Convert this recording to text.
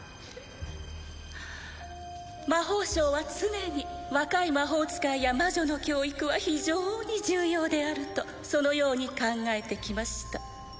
魔法省は常に若い魔法使いや魔女の教育は非常に重要であるとそのように考えてきました